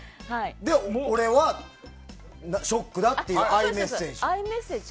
俺はショックだって「Ｉ」メッセージ。